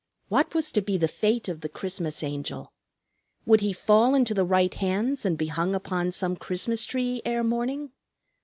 What was to be the fate of the Christmas Angel? Would he fall into the right hands and be hung upon some Christmas tree ere morning?